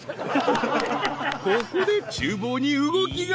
［ここで厨房に動きが］